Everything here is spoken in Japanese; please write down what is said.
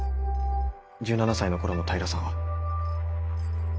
１７才の頃の平さんは。